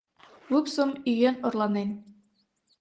Лупсым ӱен орланен.